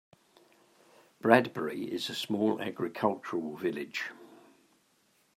Bradbury is a small agricultural village.